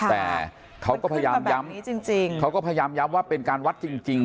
แต่เขาก็พยายามย้ำว่าเป็นการวัดจริง